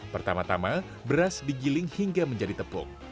pertama tama beras digiling hingga menjadi tepuk